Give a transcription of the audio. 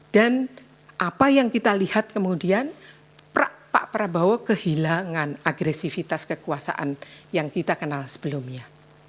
dan apa yang kita lihat kemudian pak prabowo kehilangan agresifitas kekuasaan yang kita kenal sebelumnya